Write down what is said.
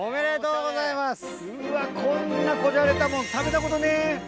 うわこんなこじゃれたもん食べたことねえ。